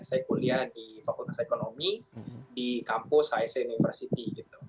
saya kuliah di fakultas ekonomi di kampus hsc university